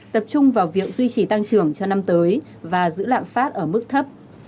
tập trung vào việc duy trì tăng trưởng cho năm tới và giữ lạm phát ở mức thấp